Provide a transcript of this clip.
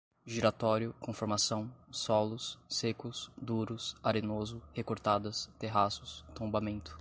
giratório, conformação, solos, secos, duros, arenoso, recortadas, terraços, tombamento